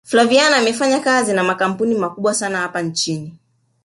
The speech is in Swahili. flaviana amefanyakazi na makampuni makubwa sana hapa nchini